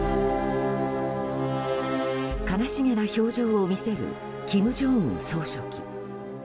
悲しげな表情を見せる金正恩総書記。